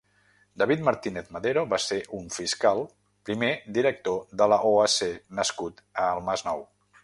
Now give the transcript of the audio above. David Martínez Madero va ser un fiscal, primer director de l'OAC nascut al Masnou.